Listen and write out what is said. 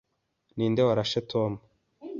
Ninde warashe Tom?